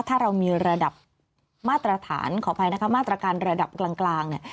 ถ้าเรามีระดับมาตรฐานขออภัยนะคะมาตรการระดับกลางเนี่ย